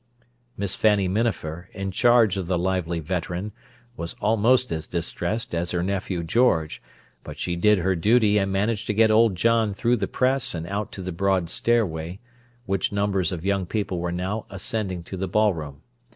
Miss Fanny Minafer, in charge of the lively veteran, was almost as distressed as her nephew George, but she did her duty and managed to get old John through the press and out to the broad stairway, which numbers of young people were now ascending to the ballroom.